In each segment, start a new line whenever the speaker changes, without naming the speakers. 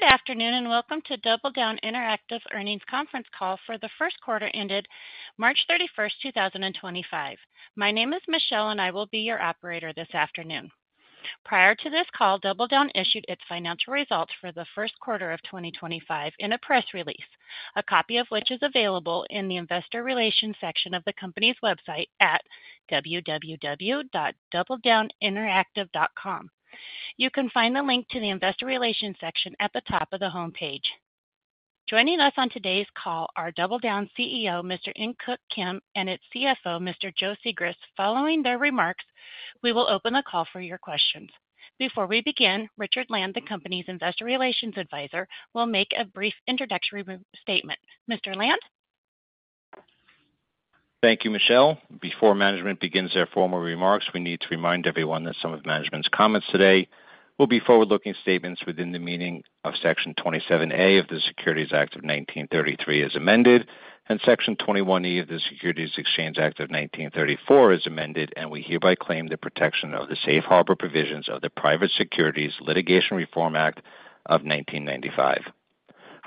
Good afternoon and welcome to DoubleDown Interactive Earnings Conference Call for the Q1 ended 31 March 2025. My name is Michelle and I will be your operator this afternoon. Prior to this call, DoubleDown issued its financial results for the Q1 of 2025 in a press release, a copy of which is available in the investor relations section of the company's website at www.doubledowninteractive.com. You can find the link to the investor relations section at the top of the homepage. Joining us on today's call are DoubleDown CEO Mr. In Keuk Kim and its CFO Mr. Joe Sigrist. Following their remarks, we will open the call for your questions. Before we begin, Richard Land, the company's investor relations advisor, will make a brief introductory statement. Mr. Land?
Thank you, Michelle. Before management begins their formal remarks, we need to remind everyone that some of management's comments today will be forward-looking statements within the meaning of Section 27A of the Securities Act of 1933 as amended, and Section 21E of the Securities Exchange Act of 1934 as amended, and we hereby claim the protection of the safe harbor provisions of the Private Securities Litigation Reform Act of 1995.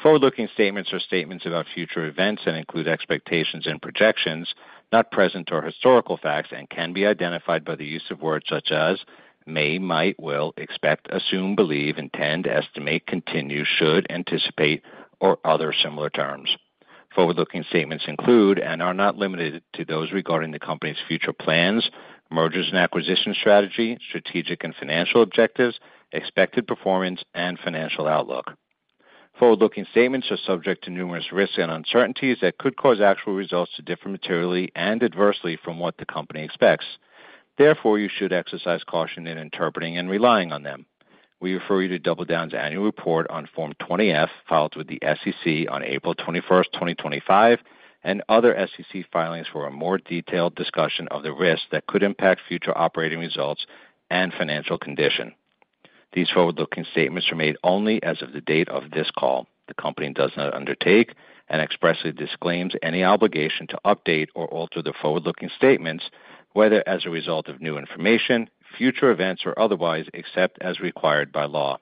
Forward-looking statements are statements about future events and include expectations and projections, not present or historical facts, and can be identified by the use of words such as may, might, will, expect, assume, believe, intend, estimate, continue, should, anticipate, or other similar terms. Forward-looking statements include and are not limited to those regarding the company's future plans, mergers and acquisition strategy, strategic and financial objectives, expected performance, and financial outlook. Forward-looking statements are subject to numerous risks and uncertainties that could cause actual results to differ materially and adversely from what the company expects. Therefore, you should exercise caution in interpreting and relying on them. We refer you to DoubleDown's annual report on Form 20-F filed with the SEC on 21 April, 2025, and other SEC filings for a more detailed discussion of the risks that could impact future operating results and financial condition. These forward-looking statements are made only as of the date of this call. The company does not undertake and expressly disclaims any obligation to update or alter the forward-looking statements, whether as a result of new information, future events, or otherwise, except as required by law.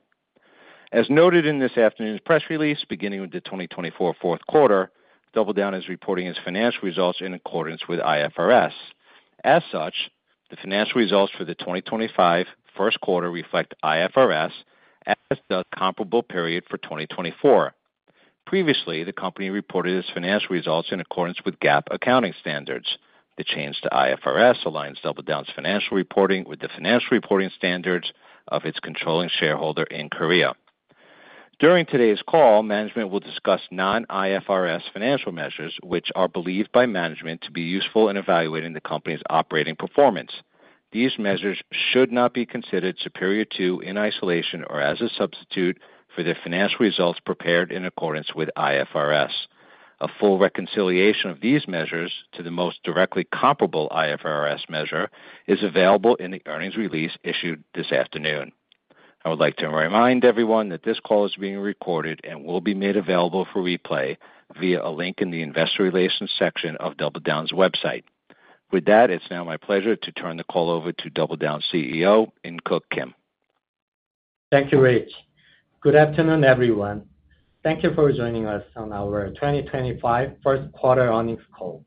As noted in this afternoon's press release, beginning with the 2024 Q4, DoubleDown is reporting its financial results in accordance with IFRS. As such, the financial results for the 2025 Q1 reflect IFRS, as does the comparable period for 2024. Previously, the company reported its financial results in accordance with GAAP accounting standards. The change to IFRS aligns DoubleDown's financial reporting with the financial reporting standards of its controlling shareholder in Korea. During today's call, management will discuss non-IFRS financial measures, which are believed by management to be useful in evaluating the company's operating performance. These measures should not be considered superior to, in isolation, or as a substitute for the financial results prepared in accordance with IFRS. A full reconciliation of these measures to the most directly comparable IFRS measure is available in the earnings release issued this afternoon. I would like to remind everyone that this call is being recorded and will be made available for replay via a link in the investor relations section of DoubleDown's website. With that, it's now my pleasure to turn the call over to DoubleDown CEO, In Keuk Kim.
Thank you, Rich. Good afternoon, everyone. Thank you for joining us on our 2025 Q1 earnings call.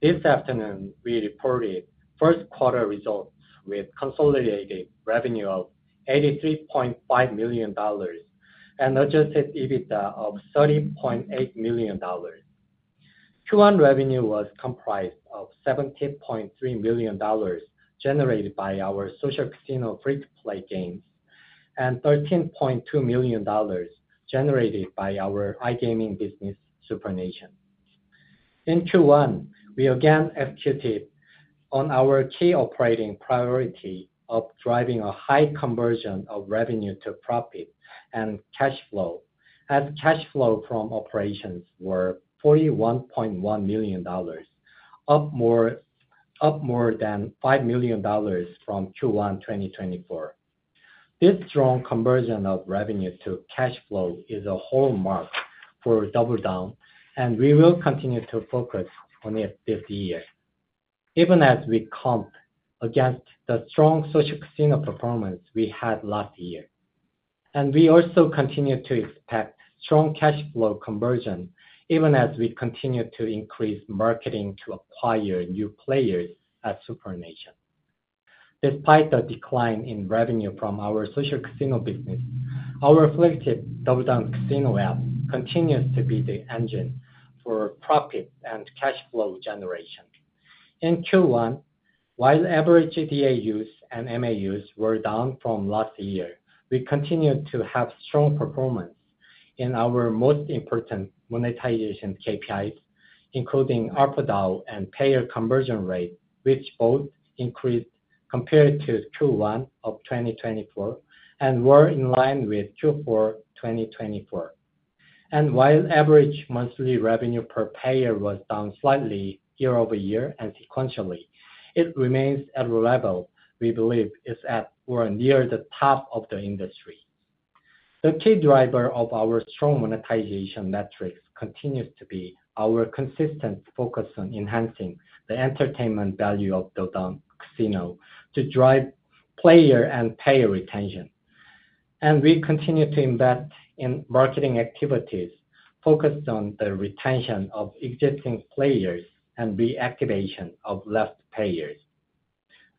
This afternoon, we reported Q1 results with consolidated revenue of $83.5 million and adjusted EBITDA of $30.8 million. Q1 revenue was comprised of $70.3 million generated by our social casino free-to-play games and $13.2 million generated by our iGaming business SuprNation. In Q1, we again executed on our key operating priority of driving a high conversion of revenue to profit and cash flow, as cash flow from operations were $41.1 million, up more than $5 million from Q1 2024. This strong conversion of revenue to cash flow is a hallmark for DoubleDown, and we will continue to focus on it this year, even as we comp against the strong social casino performance we had last year. We also continue to expect strong cash flow conversion, even as we continue to increase marketing to acquire new players at SuprNation. Despite the decline in revenue from our social casino business, our flagship DoubleDown Casino app continues to be the engine for profit and cash flow generation. In Q1, while average DAU and MAU were down from last year, we continued to have strong performance in our most important monetization KPIs, including ARPDAU and payer conversion rate, which both increased compared to Q1 2024 and were in line with Q4 2024. While average monthly revenue per payer was down slightly year over year and sequentially, it remains at a level we believe is at or near the top of the industry. The key driver of our strong monetization metrics continues to be our consistent focus on enhancing the entertainment value of DoubleDown Casino to drive player and payer retention. We continue to invest in marketing activities focused on the retention of existing players and reactivation of lapsed payers.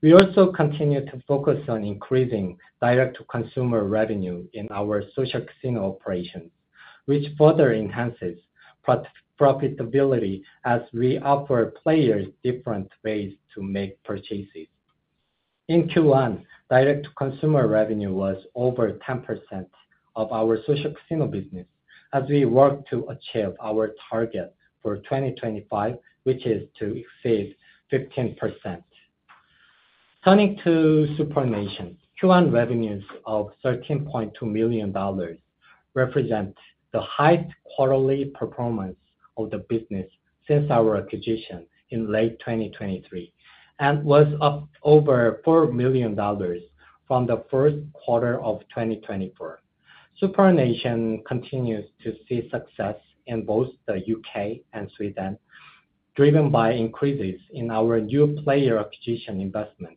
We also continue to focus on increasing direct-to-consumer revenue in our social casino operations, which further enhances profitability as we offer players different ways to make purchases. In Q1, direct-to-consumer revenue was over 10% of our social casino business as we work to achieve our target for 2025, which is to exceed 15%. Turning to SuprNation, Q1 revenues of $13.2 million represent the highest quarterly performance of the business since our acquisition in late 2023 and was up over $4 million from the Q1 of 2024. SuprNation continues to see success in both the UK. and Sweden, driven by increases in our new player acquisition investment.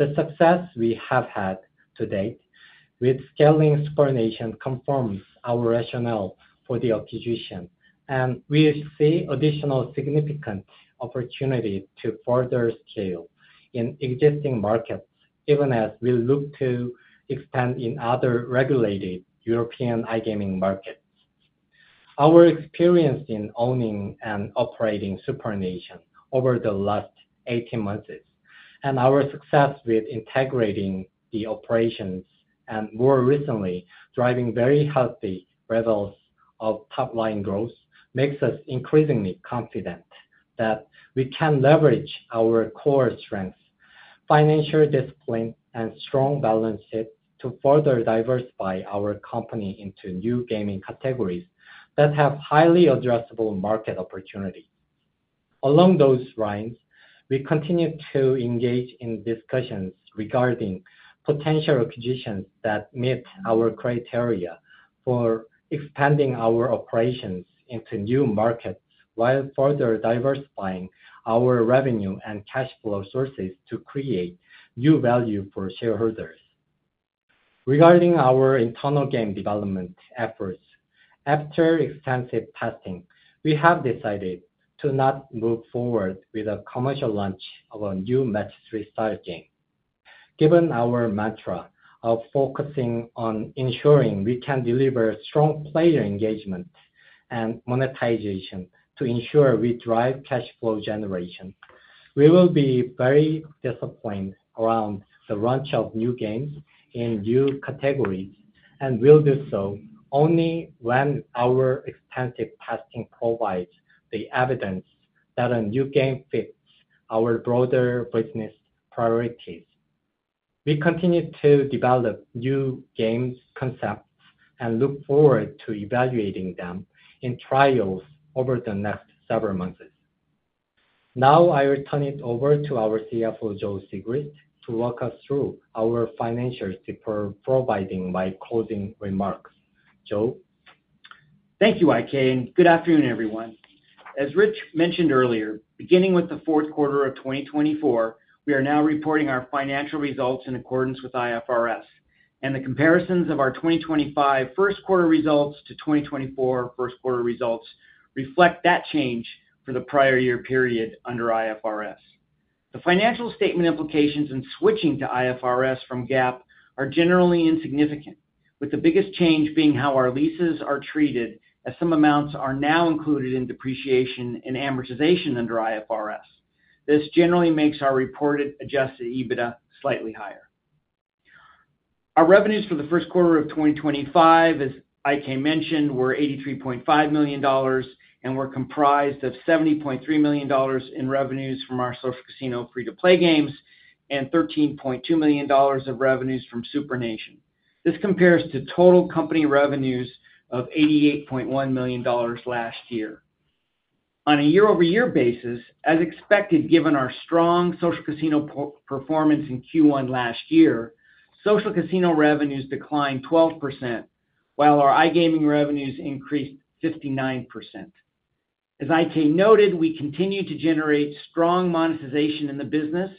The success we have had to date with scaling SuprNation confirms our rationale for the acquisition, and we see additional significant opportunity to further scale in existing markets, even as we look to expand in other regulated European iGaming markets. Our experience in owning and operating SuprNation over the last 18 months and our success with integrating the operations and more recently driving very healthy results of top-line growth makes us increasingly confident that we can leverage our core strengths, financial discipline, and strong balance sheet to further diversify our company into new gaming categories that have highly addressable market opportunities. Along those lines, we continue to engage in discussions regarding potential acquisitions that meet our criteria for expanding our operations into new markets while further diversifying our revenue and cash flow sources to create new value for shareholders. Regarding our internal game development efforts, after extensive testing, we have decided to not move forward with a commercial launch of a new match-three style game. Given our mantra of focusing on ensuring we can deliver strong player engagement and monetization to ensure we drive cash flow generation, we will be very disciplined around the launch of new games in new categories and will do so only when our extensive testing provides the evidence that a new game fits our broader business priorities. We continue to develop new game concepts and look forward to evaluating them in trials over the next several months. Now, I will turn it over to our CFO, Joe Sigrist, to walk us through our financials before providing my closing remarks. Joe.
Thank you, Ikei. Good afternoon, everyone. As Rich mentioned earlier, beginning with the Q4 of 2024, we are now reporting our financial results in accordance with IFRS. The comparisons of our 2025 Q1 results to 2024 Q1 results reflect that change for the prior year period under IFRS. The financial statement implications in switching to IFRS from GAAP are generally insignificant, with the biggest change being how our leases are treated, as some amounts are now included in depreciation and amortization under IFRS. This generally makes our reported adjusted EBITDA slightly higher. Our revenues for the Q1 of 2025, as Ikei mentioned, were $83.5 million, and were comprised of $70.3 million in revenues from our social casino free-to-play games and $13.2 million of revenues from SuprNation. This compares to total company revenues of $88.1 million last year. On a year-over-year basis, as expected, given our strong social casino performance in Q1 last year, social casino revenues declined 12%, while our iGaming revenues increased 59%. as In Keuk Kim noted, we continue to generate strong monetization in the business,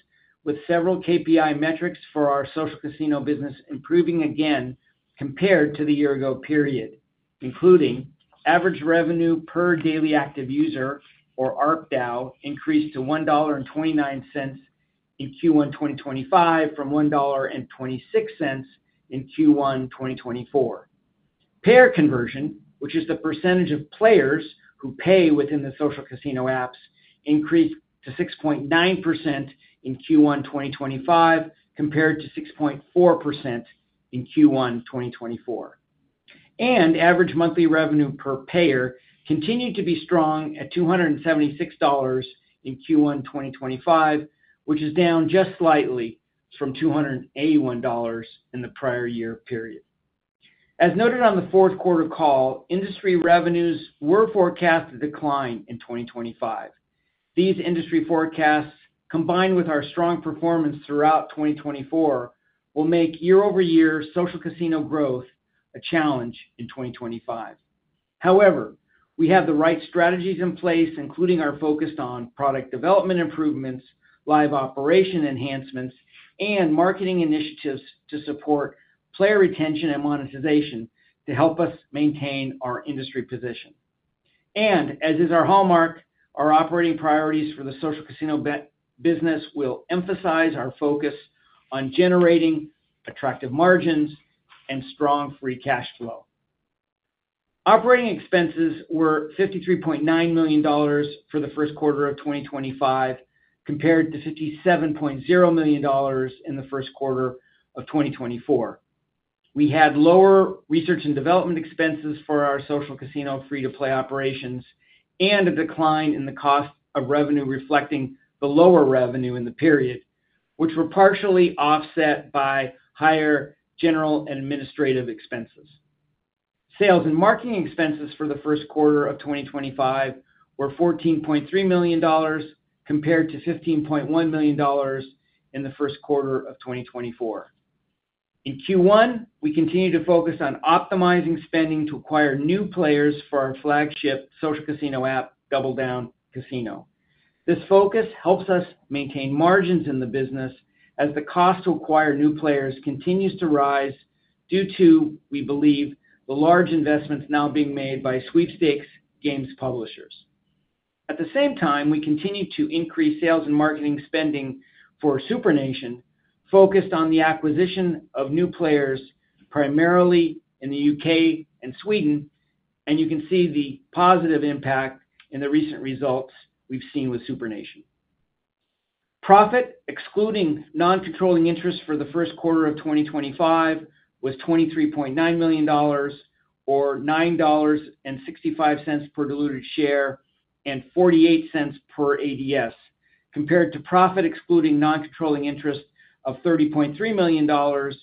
with several KPI metrics for our social casino business improving again compared to the year-ago period, including average revenue per daily active user, or ARPDAU, increased to $1.29 in Q1 2025 from $1.26 in Q1 2024. Payer conversion, which is the percentage of players who pay within the social casino apps, increased to 6.9% in Q1 2025 compared to 6.4% in Q1 2024. Average monthly revenue per payer continued to be strong at $276 in Q1 2025, which is down just slightly from $281 in the prior year period. As noted on the Q4 call, industry revenues were forecast to decline in 2025. These industry forecasts, combined with our strong performance throughout 2024, will make year-over-year social casino growth a challenge in 2025. However, we have the right strategies in place, including our focus on product development improvements, live operation enhancements, and marketing initiatives to support player retention and monetization to help us maintain our industry position. As is our hallmark, our operating priorities for the social casino business will emphasize our focus on generating attractive margins and strong free cash flow. Operating expenses were $53.9 million for the Q1 of 2025 compared to $57.0 million in the Q1 of 2024. We had lower research and development expenses for our social casino free-to-play operations and a decline in the cost of revenue reflecting the lower revenue in the period, which were partially offset by higher general and administrative expenses. Sales and marketing expenses for the Q1 of 2025 were $14.3 million compared to $15.1 million in the Q1 of 2024. In Q1, we continue to focus on optimizing spending to acquire new players for our flagship social casino app, DoubleDown Casino. This focus helps us maintain margins in the business as the cost to acquire new players continues to rise due to, we believe, the large investments now being made by Sweepstakes Games publishers. At the same time, we continue to increase sales and marketing spending for SuprNation, focused on the acquisition of new players primarily in the UK. and Sweden, and you can see the positive impact in the recent results we've seen with SuprNation. Profit excluding non-controlling interest for the Q1 of 2025 was $23.9 million, or $9.65 per diluted share and $0.48 per ADS, compared to profit excluding non-controlling interest of $30.3 million, or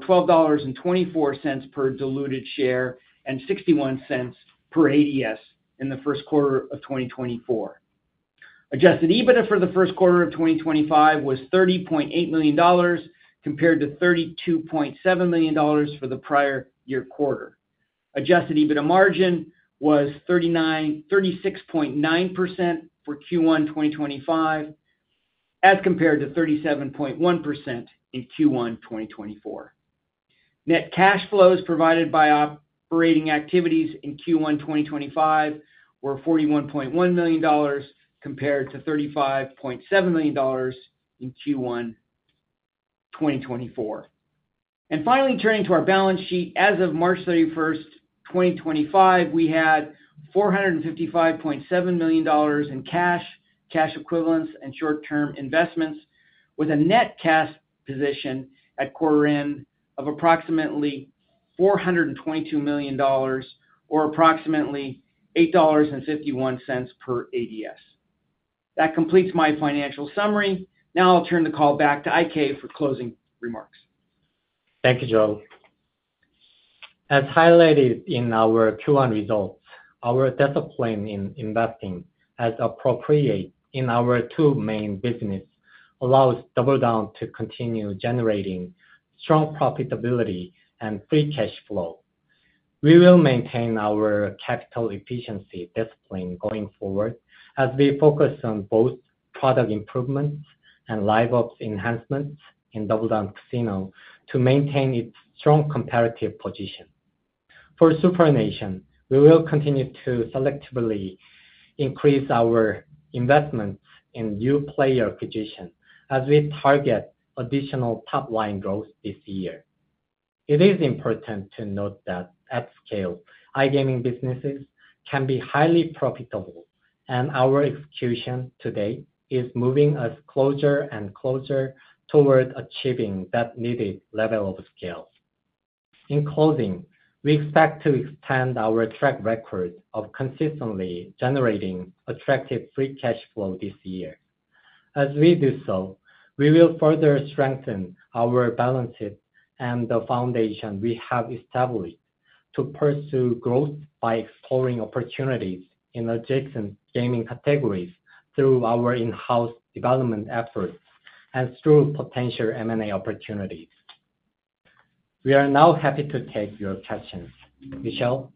$12.24 per diluted share and $0.61 per ADS in the Q1 of 2024. Adjusted EBITDA for the Q1 of 2025 was $30.8 million compared to $32.7 million for the prior year quarter. Adjusted EBITDA margin was 36.9% for Q1 2025 as compared to 37.1% in Q1 2024. Net cash flows provided by operating activities in Q1 2025 were $41.1 million compared to $35.7 million in Q1 2024. Finally, turning to our balance sheet, as of 31 March, 2025, we had $455.7 million in cash, cash equivalents, and short-term investments, with a net cash position at quarter-end of approximately $422 million, or approximately $8.51 per ADS. That completes my financial summary. Now I'll turn the call back to In Keuk Kim for closing remarks.
Thank you, Joe. As highlighted in our Q1 results, our discipline in investing as appropriated in our two main businesses allows DoubleDown to continue generating strong profitability and free cash flow. We will maintain our capital efficiency discipline going forward as we focus on both product improvements and live ops enhancements in DoubleDown Casino to maintain its strong competitive position. For SuprNation, we will continue to selectively increase our investments in new player acquisition as we target additional top-line growth this year. It is important to note that at scale, iGaming businesses can be highly profitable, and our execution today is moving us closer and closer toward achieving that needed level of scale. In closing, we expect to extend our track record of consistently generating attractive free cash flow this year. As we do so, we will further strengthen our balances and the foundation we have established to pursue growth by exploring opportunities in adjacent gaming categories through our in-house development efforts and through potential M&A opportunities. We are now happy to take your questions. Michelle?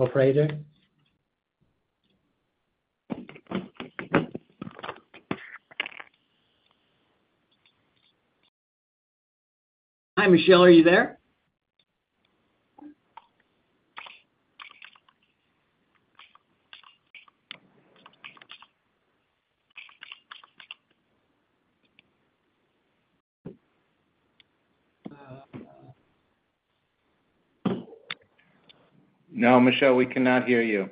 Joe Sigrist? Hi, Michelle. Are you there?
No, Michelle, we cannot hear you.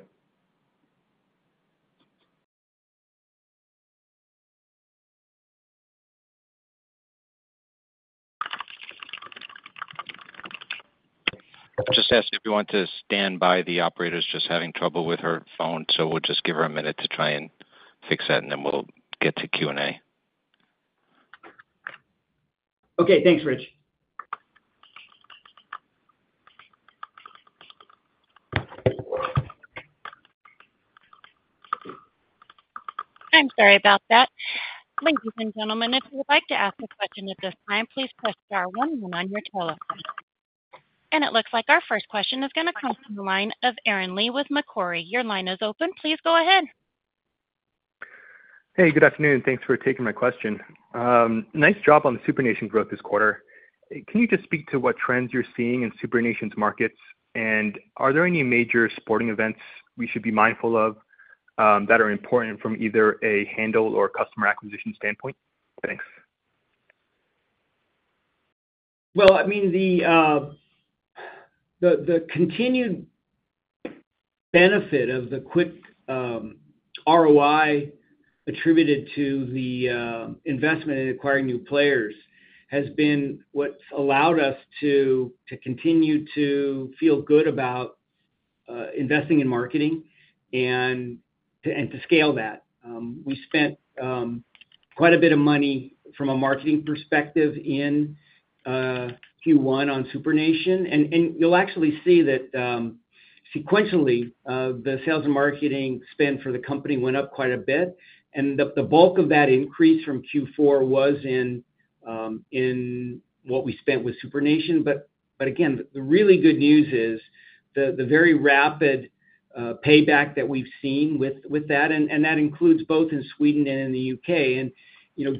I'll just ask if you want to stand by. The operator's just having trouble with her phone, so we'll just give her a minute to try and fix that, and then we'll get to Q&A.
Okay. Thanks, Rich.
I'm sorry about that. Ladies and gentlemen, if you would like to ask a question at this time, please press star one one on your telephone. It looks like our first question is going to come from the line of Erin Lee with Macquarie. Your line is open. Please go ahead.
Hey, good afternoon. Thanks for taking my question. Nice job on the SuprNation growth this quarter. Can you just speak to what trends you're seeing in SuprNation's markets, and are there any major sporting events we should be mindful of that are important from either a handle or customer acquisition standpoint? Thanks.
I mean, the continued benefit of the quick ROI attributed to the investment in acquiring new players has been what's allowed us to continue to feel good about investing in marketing and to scale that. We spent quite a bit of money from a marketing perspective in Q1 on SuprNation. You'll actually see that sequentially, the sales and marketing spend for the company went up quite a bit. The bulk of that increase from Q4 was in what we spent with SuprNation. Again, the really good news is the very rapid payback that we've seen with that, and that includes both in Sweden and in the UK.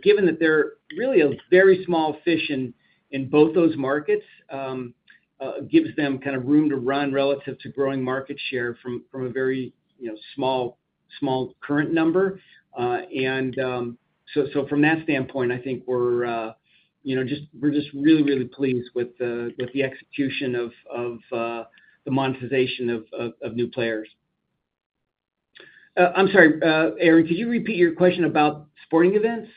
Given that they're really a very small fish in both those markets, it gives them kind of room to run relative to growing market share from a very small current number. From that standpoint, I think we're just really, really pleased with the execution of the monetization of new players. I'm sorry, Erin, could you repeat your question about sporting events?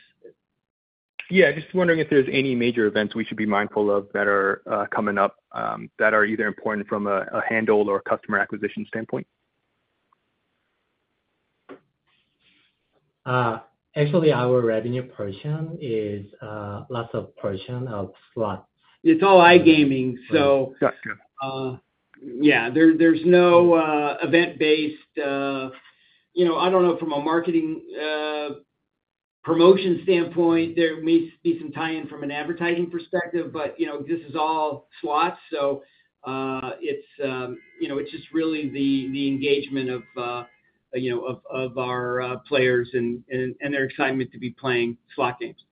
Yeah. Just wondering if there's any major events we should be mindful of that are coming up that are either important from a handle or customer acquisition standpoint. Actually, our revenue portion is lots of portion of slots.
It's all iGaming, so.
Gotcha.
Yeah. There's no event-based, I don't know. From a marketing promotion standpoint, there may be some tie-in from an advertising perspective, but this is all slots. So it's just really the engagement of our players and their excitement to be playing slot games.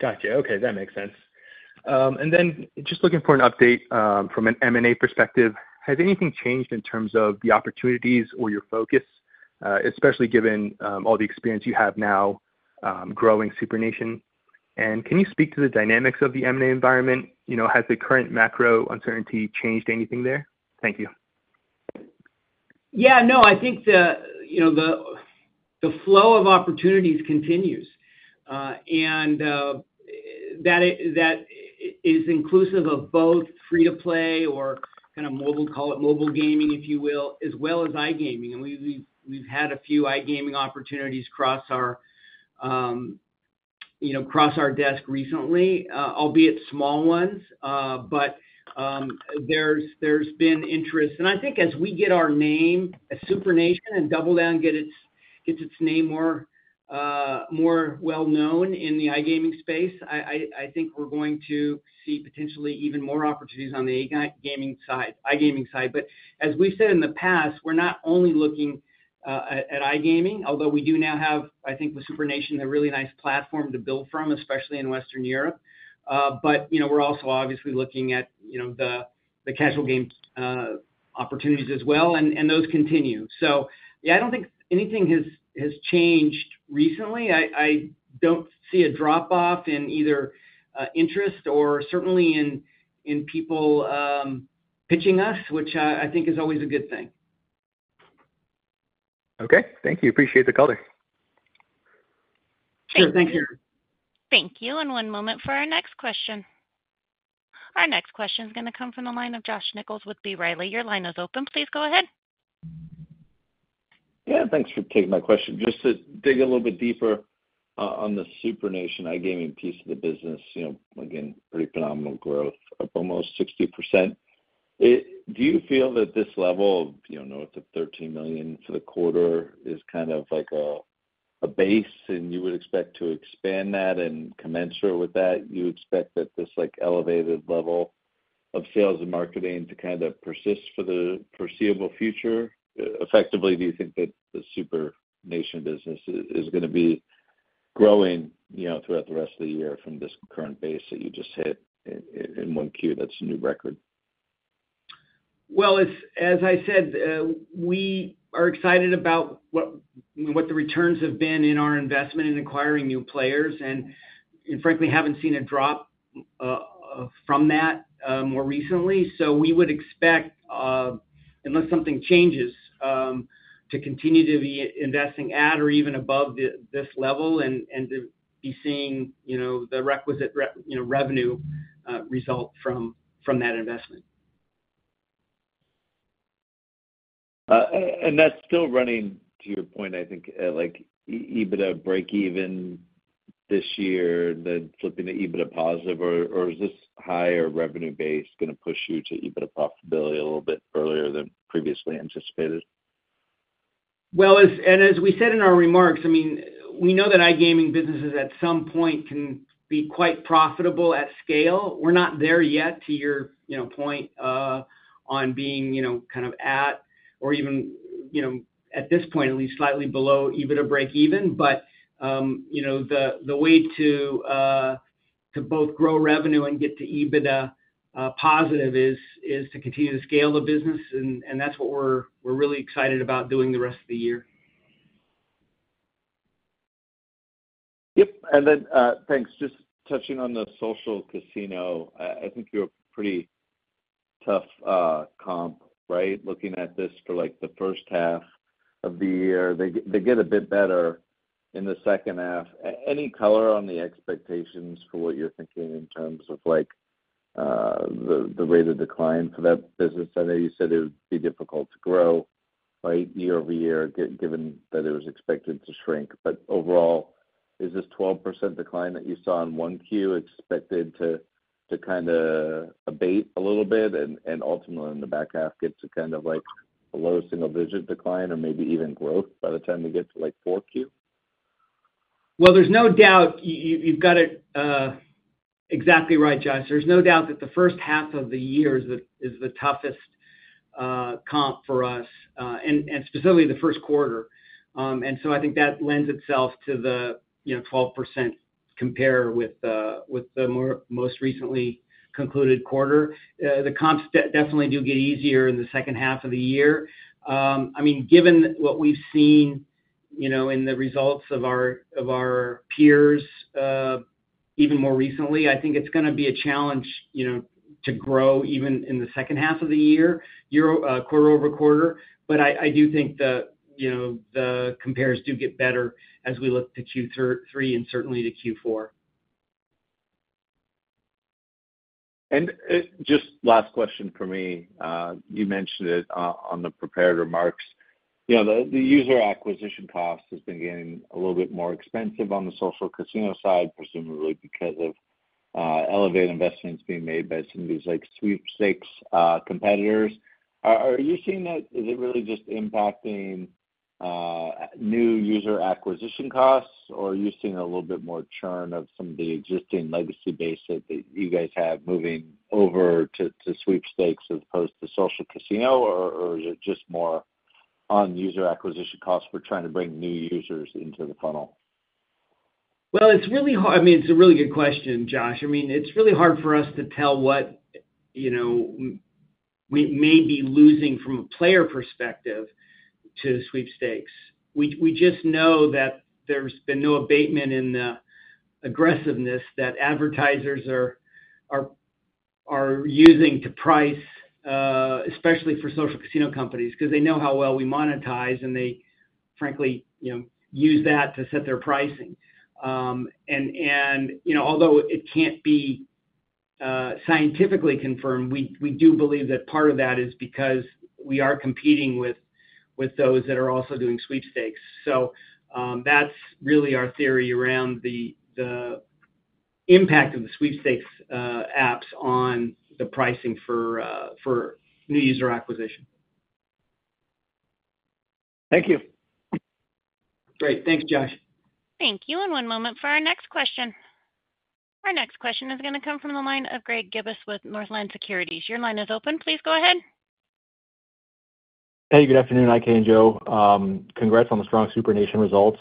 Gotcha. Okay. That makes sense. And then just looking for an update from an M&A perspective, has anything changed in terms of the opportunities or your focus, especially given all the experience you have now growing SuprNation? And can you speak to the dynamics of the M&A environment? Has the current macro uncertainty changed anything there? Thank you.
Yeah. No, I think the flow of opportunities continues. That is inclusive of both free-to-play or kind of mobile gaming, if you will, as well as iGaming. We have had a few iGaming opportunities cross our desk recently, albeit small ones. There has been interest. I think as we get our name as SuprNation and DoubleDown gets its name more well-known in the iGaming space, I think we are going to see potentially even more opportunities on the iGaming side. As we have said in the past, we are not only looking at iGaming, although we do now have, I think, with SuprNation, a really nice platform to build from, especially in Western Europe. We are also obviously looking at the casual game opportunities as well, and those continue. Yeah, I do not think anything has changed recently. I do not see a drop-off in either interest or certainly in people pitching us, which I think is always a good thing.
Okay. Thank you. Appreciate the color.
Sure. Thank you.
Thank you. One moment for our next question. Our next question is going to come from the line of Josh Nichols with B. Riley. Your line is open. Please go ahead.
Yeah. Thanks for taking my question. Just to dig a little bit deeper on the SuprNation iGaming piece of the business, again, pretty phenomenal growth of almost 60%. Do you feel that this level of north of $13 million for the quarter is kind of like a base, and you would expect to expand that and commensurate with that? You expect that this elevated level of sales and marketing to kind of persist for the foreseeable future? Effectively, do you think that the SuprNation business is going to be growing throughout the rest of the year from this current base that you just hit in one Q? That's a new record.
As I said, we are excited about what the returns have been in our investment in acquiring new players and, frankly, have not seen a drop from that more recently. We would expect, unless something changes, to continue to be investing at or even above this level and to be seeing the requisite revenue result from that investment.
That's still running, to your point, I think, EBITDA break-even this year, then flipping to EBITDA positive. Is this higher revenue base going to push you to EBITDA profitability a little bit earlier than previously anticipated?
As we said in our remarks, I mean, we know that iGaming businesses at some point can be quite profitable at scale. We're not there yet, to your point, on being kind of at or even at this point, at least slightly below EBITDA break-even. The way to both grow revenue and get to EBITDA positive is to continue to scale the business. That's what we're really excited about doing the rest of the year.
Yep. Thanks. Just touching on the social casino, I think you have a pretty tough comp, right, looking at this for the first half of the year. They get a bit better in the second half. Any color on the expectations for what you're thinking in terms of the rate of decline for that business? I know you said it would be difficult to grow, right, year over year, given that it was expected to shrink. Overall, is this 12% decline that you saw in Q1 expected to kind of abate a little bit and ultimately in the back half get to kind of like a low single-digit decline or maybe even growth by the time we get to Q4?
There is no doubt you have got it exactly right, Josh. There is no doubt that the first half of the year is the toughest comp for us, and specifically the Q1. I think that lends itself to the 12% compare with the most recently concluded quarter. The comps definitely do get easier in the second half of the year. I mean, given what we have seen in the results of our peers even more recently, I think it is going to be a challenge to grow even in the second half of the year, quarter over quarter. I do think the compares do get better as we look to Q3 and certainly to Q4.
Just last question for me. You mentioned it on the prepared remarks. The user acquisition cost has been getting a little bit more expensive on the social casino side, presumably because of elevated investments being made by some of these sweepstakes competitors. Are you seeing that? Is it really just impacting new user acquisition costs, or are you seeing a little bit more churn of some of the existing legacy base that you guys have moving over to sweepstakes as opposed to social casino? Or is it just more on user acquisition costs for trying to bring new users into the funnel?
It's really hard. I mean, it's a really good question, Josh. I mean, it's really hard for us to tell what we may be losing from a player perspective to sweepstakes. We just know that there's been no abatement in the aggressiveness that advertisers are using to price, especially for social casino companies, because they know how well we monetize, and they, frankly, use that to set their pricing. Although it can't be scientifically confirmed, we do believe that part of that is because we are competing with those that are also doing sweepstakes. That's really our theory around the impact of the sweepstakes apps on the pricing for new user acquisition.
Thank you.
Great. Thanks, Josh.
Thank you. One moment for our next question. Our next question is going to come from the line of Greg Gubbis with Northland Securities. Your line is open. Please go ahead.
Hey, good afternoon. I'm In-Keuk and Joe. Congrats on the strong SuprNation results.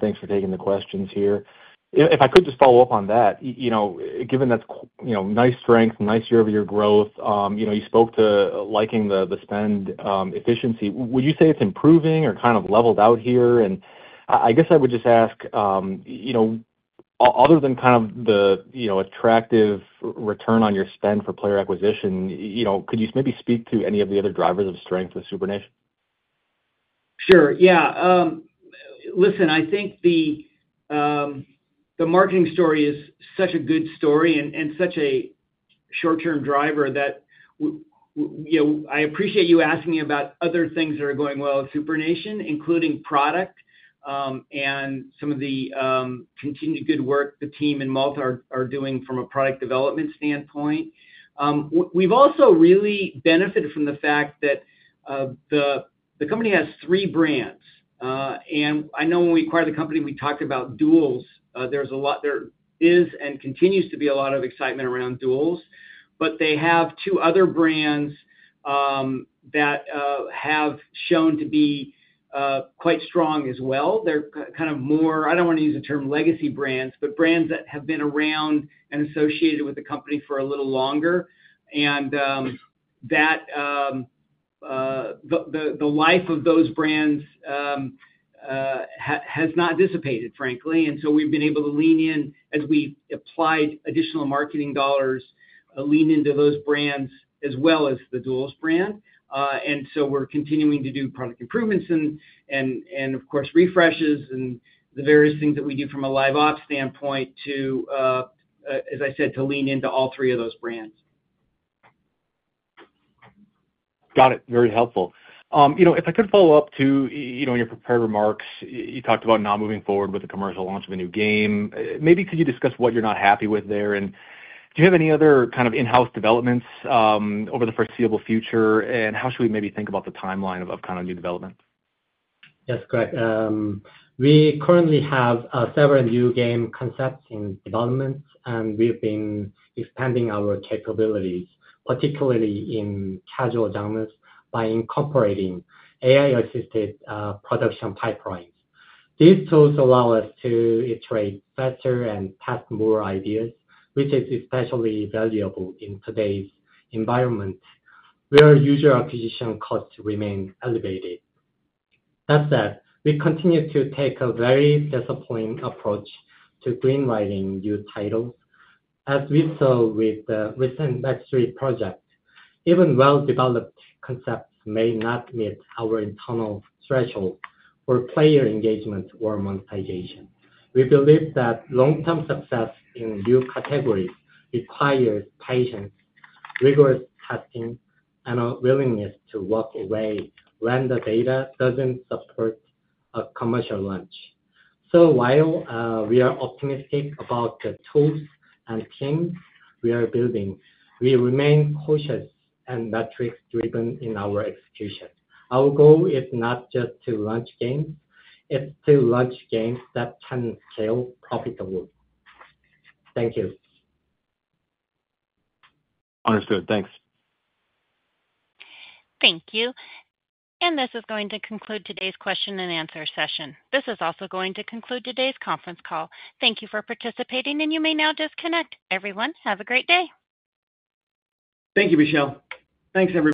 Thanks for taking the questions here. If I could just follow up on that, given that nice strength, nice year-over-year growth, you spoke to liking the spend efficiency. Would you say it's improving or kind of leveled out here? I guess I would just ask, other than kind of the attractive return on your spend for player acquisition, could you maybe speak to any of the other drivers of strength of SuprNation?
Sure. Yeah. Listen, I think the marketing story is such a good story and such a short-term driver that I appreciate you asking me about other things that are going well with SuprNation, including product and some of the continued good work the team in Malta are doing from a product development standpoint. We've also really benefited from the fact that the company has three brands. I know when we acquired the company, we talked about Dual. There is and continues to be a lot of excitement around Dual. They have two other brands that have shown to be quite strong as well. They're kind of more—I don't want to use the term legacy brands, but brands that have been around and associated with the company for a little longer. The life of those brands has not dissipated, frankly. We have been able to lean in, as we applied additional marketing dollars, lean into those brands as well as the Dual brand. We are continuing to do product improvements and, of course, refreshes and the various things that we do from a live ops standpoint to, as I said, to lean into all three of those brands. Got it. Very helpful. If I could follow up too on your prepared remarks, you talked about now moving forward with the commercial launch of a new game. Maybe could you discuss what you're not happy with there? Do you have any other kind of in-house developments over the foreseeable future? How should we maybe think about the timeline of kind of new development?
Yes, correct. We currently have several new game concepts in development, and we've been expanding our capabilities, particularly in casual genres, by incorporating AI-assisted production pipelines. These tools allow us to iterate faster and test more ideas, which is especially valuable in today's environment where user acquisition costs remain elevated. That said, we continue to take a very disciplined approach to greenlighting new titles, as we saw with the recent Legacy Project. Even well-developed concepts may not meet our internal threshold for player engagement or monetization. We believe that long-term success in new categories requires patience, rigorous testing, and a willingness to walk away when the data doesn't support a commercial launch. While we are optimistic about the tools and teams we are building, we remain cautious and metrics-driven in our execution. Our goal is not just to launch games; it's to launch games that can scale profitably. Thank you.
Understood. Thanks.
Thank you. This is going to conclude today's question and answer session. This is also going to conclude today's conference call. Thank you for participating, and you may now disconnect. Everyone, have a great day.
Thank you, Michelle. Thanks, everyone.